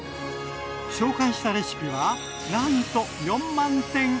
紹介したレシピはなんと４万点以上！